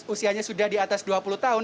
usianya sudah di atas dua puluh tahun